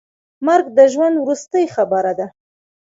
مرګ د ژوند وروستۍ خبره ده.